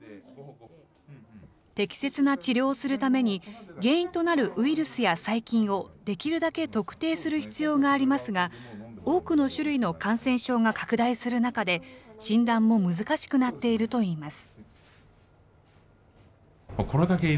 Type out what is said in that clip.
適切な治療をするために、原因となるウイルスや細菌をできるだけ特定する必要がありますが、多くの種類の感染症が拡大する中で、診断も難しくなっているといいます。